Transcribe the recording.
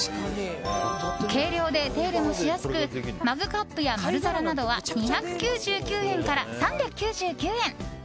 軽量で、手入れもしやすくマグカップや丸皿などは２９９円から３９９円。